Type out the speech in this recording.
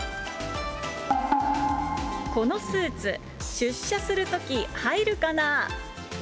このスーツ出社するとき入るかな。